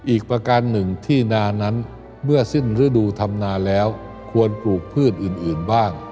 อีกประการหนึ่งที่นานั้นเมื่อสิ้นฤดูธรรมนาแล้วควรปลูกพืชอื่นบ้าง